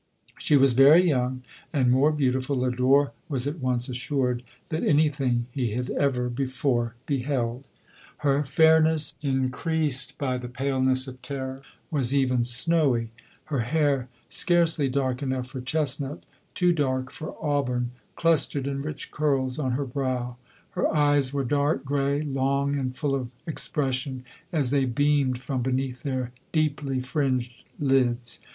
She was very young, and more beauti ful, Lodore was at once assured, than any thing he had ever before beheld. Her fairness, increas ed by the paleness of terror, was even snowy ; her hair, scarcely dark, enough for chesnut, too dark for auburn, clustered in rich curls on her brow ; her eyes were dark grey, long, and full of expression, as they beamed from beneath their deeply fringed lids.